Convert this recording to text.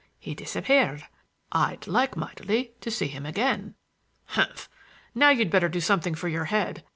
He disappeared. I'd like mightily to see him again." "Humph! Now you'd better do something for your head.